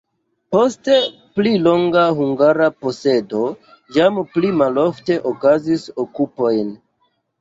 Post pli longa hungara posedo jam pli malofte okazis okupoj.